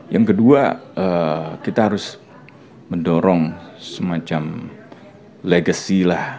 yang kedua kita harus mendorong semacam legasilah